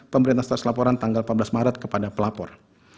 pemerintah setelah laporan tanggal empat belas maret kepada pelapor